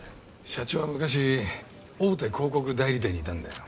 社長は昔大手広告代理店にいたんだよ